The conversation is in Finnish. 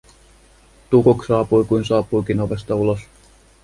Tukuk saapui kuin saapuikin ovesta ulos.